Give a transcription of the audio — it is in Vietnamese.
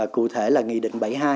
cụ thể là nghị định bảy mươi hai